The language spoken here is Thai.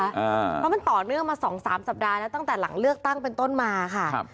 เพราะมันต่อเนื่องมาสองสามสัปดาห์แล้วตั้งแต่หลังเลือกตั้งเป็นต้นมาค่ะครับ